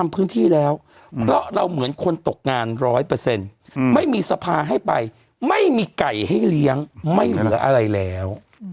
เผื่ออะไรแล้ว